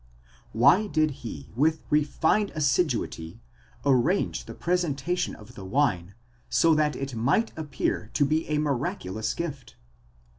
Why did he with refined assiduity arrange the presentation of the wine, so that it might appear to be a miraculous gift?